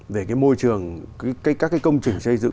về cái môi trường các cái công trình xây dựng